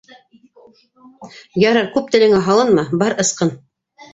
- Ярар, күп телеңә һалынма, бар, ысҡын!